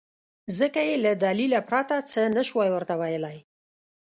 ځکه يې له دليله پرته څه نه شوای ورته ويلی.